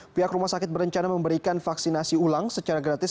pihak rumah sakit berencana memberikan vaksinasi ulang secara gratis